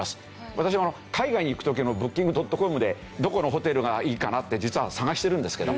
私も海外に行く時はＢｏｏｋｉｎｇ．ｃｏｍでどこのホテルがいいかなって実は探しているんですけど。